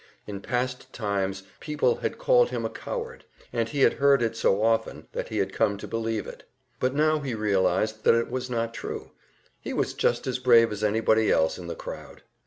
In past times people had called him a coward, and he had heard it so often that he had come to believe it; but now he realized that it was not true, he was just as brave as anybody else in the crowd.